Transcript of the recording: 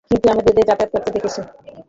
কিন্তু আমি এদের যাতায়াত করতে দেখেছি।